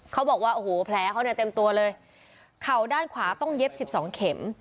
เขาบอกว่าโอ้โหแผลเขาเนี่ยเต็มตัวเลยเข่าด้านขวาต้องเย็บสิบสองเข็ม